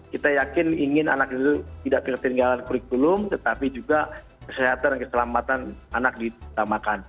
kita yakin ingin anak itu tidak ketinggalan kurikulum tetapi juga kesehatan dan keselamatan anak ditamakan